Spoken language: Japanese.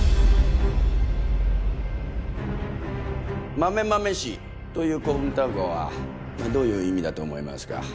まめまめしという古文単語はどういう意味だと思いますか？